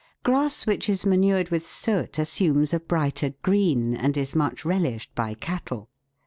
Grass which is manured with soot assumes a brighter green, and is much relished by cattle.